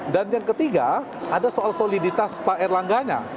dan yang ketiga ada soal soliditas pak irlangganya